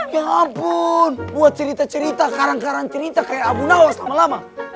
ya ampun buat cerita cerita karang karang cerita kayak abu nawas lama lama